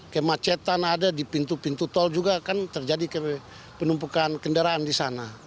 kemacetan ada di pintu pintu tol juga kan terjadi penumpukan kendaraan di sana